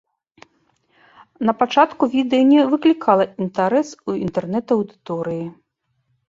Напачатку відэа не выклікала інтарэс у інтэрнэт-аўдыторыі.